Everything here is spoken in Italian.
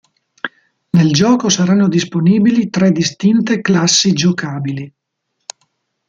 Nel gioco saranno disponibili tre distinte classi giocabili.